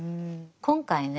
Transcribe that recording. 今回ね